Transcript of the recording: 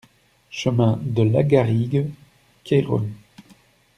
Chemin de Lagarigue, Cayrols